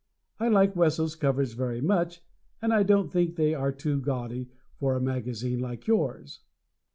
I like Wesso's covers very much, and I don't think they are too gaudy for a magazine like yours.